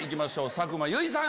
佐久間由衣さん